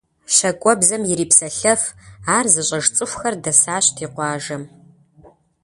ЩакӀуэбзэм ирипсэлъэф, ар зыщӀэж цӀыхухэр дэсащ ди къуажэм.